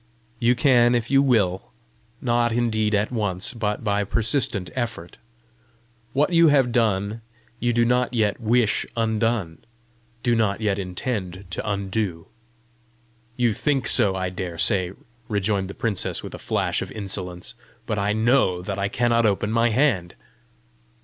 "You can if you will not indeed at once, but by persistent effort. What you have done, you do not yet wish undone do not yet intend to undo!" "You think so, I dare say," rejoined the princess with a flash of insolence, "but I KNOW that I cannot open my hand!"